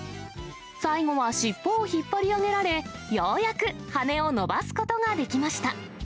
最後は尻尾を引っ張り上げられ、ようやく羽を伸ばすことができました。